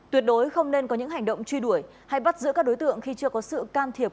tuyệt đối không nên có những hành động truy đuổi hay bắt giữ các đối tượng khi chưa có sự can thiệp